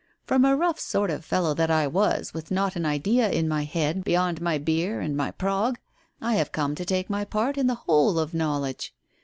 From a rough sort of fellow that I was, with not an idea in my head beyond my beer and my prog, I have come to take my part in the whole of knowledge.